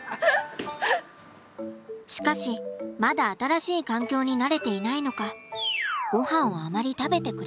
しかしまだ新しい環境に慣れていないのかごはんをあまり食べてくれません。